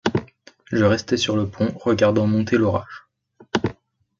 Je restai sur le pont, regardant monter l’orage.